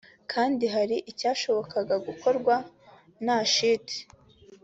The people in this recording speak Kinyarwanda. kandi hari icyashobokaga gukorwa nta shiti